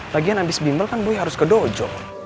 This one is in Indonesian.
lagian abis nimble kan boy harus ke dojo